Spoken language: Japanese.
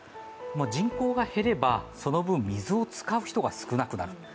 人口が減ればその分水を使う人が少なくなる。